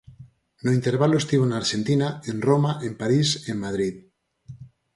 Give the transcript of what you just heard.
No intervalo estivo na Arxentina, en Roma, en París, en Madrid.